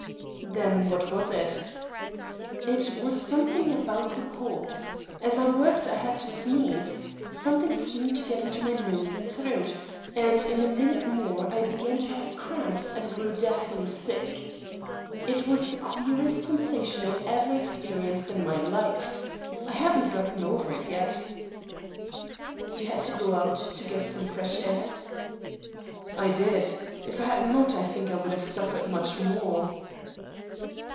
"Then what was it?" "It was something about the corpse. As I worked I had to sneeze something seemed to get into my nose and throat, and in a minute more I began to have cramps and grew deathly sick. It was the queerest sensation I ever experienced in my life. I haven't gotten over it yet." "You had to go out to get some fresh air?" "I did. If I had not, I think I should have suffered much more."